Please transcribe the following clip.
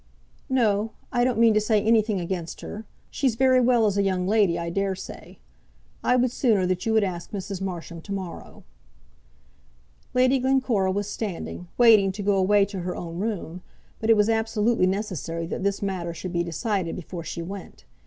"No; I don't mean to say anything against her. She's very well as a young lady, I dare say. I would sooner that you would ask Mrs. Marsham to morrow." Lady Glencora was standing, waiting to go away to her own room, but it was absolutely necessary that this matter should be decided before she went.